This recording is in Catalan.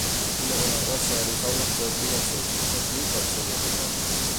Una dona rossa li fa una foto al seu fill petit al seu dormitori.